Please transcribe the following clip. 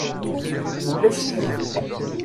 Ulac-iyi.